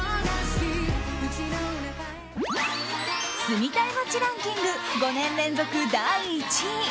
住みたい街ランキング５年連続第１位！